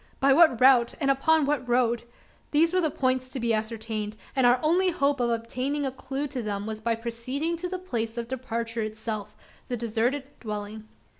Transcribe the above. By what route? and upon what road? These were the points to be ascertained; and our only hope of obtaining a clue to them was by proceeding to the place of departure itself the deserted dwelling.